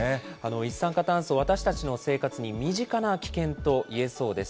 一酸化炭素、私たちの生活に身近な危険といえそうです。